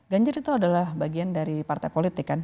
ganjar itu adalah bagian dari partai politik kan